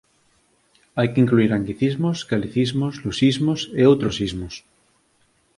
Hai que incluír anglicismos, galicismos, lusismos e outros «-ismos».